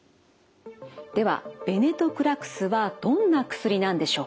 ではベネトクラクスはどんな薬なんでしょうか？